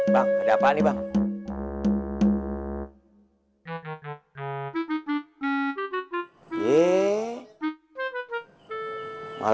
bar ada apaan nih bar